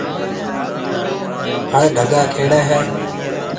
هڙ ڊگا کيڙيَ هيَ۔